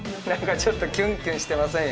ちょっとキュンキュンしてません？